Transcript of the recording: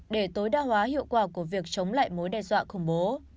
để tối đa hóa hiệu quả của việc chống lại mối đe dọa khủng bố